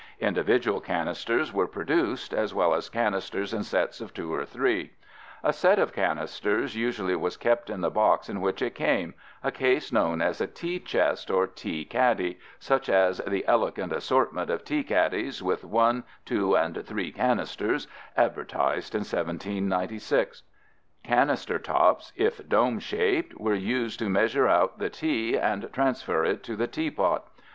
Individual canisters were produced, as well as canisters in sets of two or three. A set of canisters usually was kept in the box in which it came, a case known as a tea chest or tea caddy, such as the "elegant assortment of Tea caddies, with one, two and three canisters" advertised in 1796. Canister tops if dome shaped were used to measure out the tea and transfer it to the teapot.